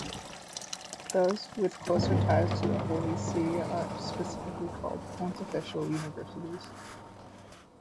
Those with closer ties to the Holy See are specifically called pontifical universities.